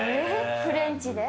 フレンチで？